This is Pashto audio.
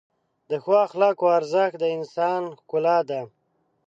د ښو اخلاقو ارزښت د انسان ښکلا ده.